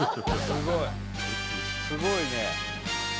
すごいね。